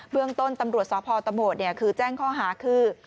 เบื้องต้นตำรวจสพตมแจ้งข้อหาคือ